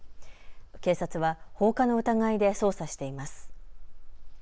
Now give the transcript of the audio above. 警察は放火の疑いで捜査しています。